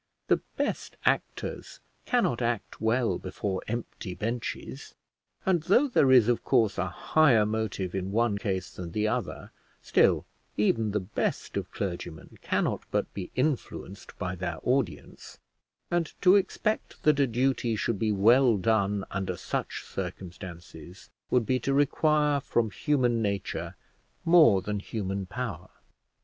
The best actors cannot act well before empty benches, and though there is, of course, a higher motive in one case than the other, still even the best of clergymen cannot but be influenced by their audience; and to expect that a duty should be well done under such circumstances, would be to require from human nature more than human power.